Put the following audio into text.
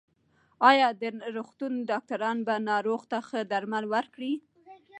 ایا د روغتون ډاکټران به ناروغ ته ښه درمل ورکړي؟